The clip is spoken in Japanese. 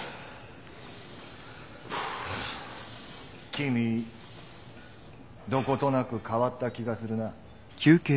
君どことなく変わった気がするな。